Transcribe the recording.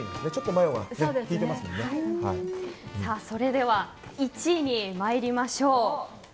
それでは１位に参りましょう。